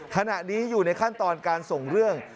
ขณะนี้อยู่ในขั้นตอนการส่งเรื่อง